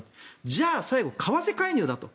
じゃあ最後、為替介入だと。